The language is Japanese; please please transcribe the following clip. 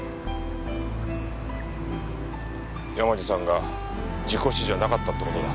山路さんが事故死じゃなかったって事だ。